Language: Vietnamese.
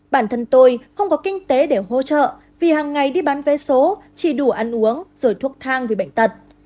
bản thân tôi không có kinh tế để hỗ trợ vì hàng ngày đi bán vé số chỉ đủ ăn uống rồi thuốc thang vì bệnh tật